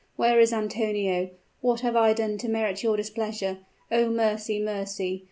Where is Antonio? What have I done to merit your displeasure? Oh, mercy! mercy!